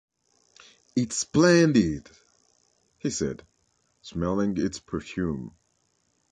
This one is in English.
“It’s splendid!” he said, smelling its perfume.